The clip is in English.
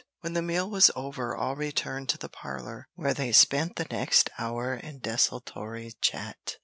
When the meal was over all returned to the parlor, where they spent the next hour in desultory chat.